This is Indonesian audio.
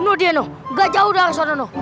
nudhianu gak jauh dari sana noh